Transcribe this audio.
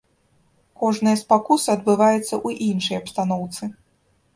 Кожная спакуса адбываецца ў іншай абстаноўцы.